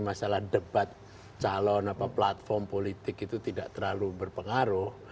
masalah debat calon platform politik itu tidak terlalu berpengaruh